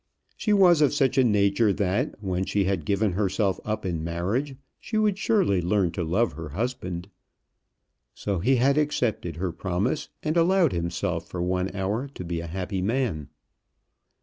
She was of such a nature that, when she had given herself up in marriage, she would surely learn to love her husband. So he had accepted her promise, and allowed himself for one hour to be a happy man.